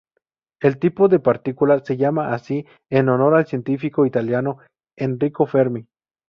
El tipo de partícula se llama así en honor al científico italiano Enrico Fermi.